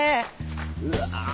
うわ。